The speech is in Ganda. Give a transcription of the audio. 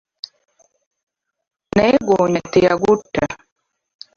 Naye ggoonya teyagutta.